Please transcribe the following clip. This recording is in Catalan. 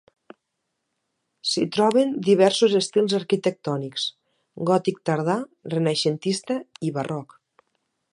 S'hi troben diversos estils arquitectònics: gòtic tardà, renaixentista i barroc.